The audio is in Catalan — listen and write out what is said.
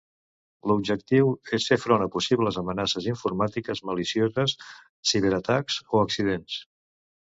L'objectiu és fer front a possibles amenaces informàtiques malicioses, ciberatacs o accidents.